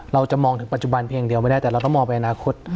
เราจะมองถึงปัจจุบันเพียงเดียวไม่ได้แต่เราต้องมองไปอนาคต